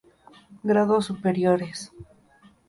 Grados superiores.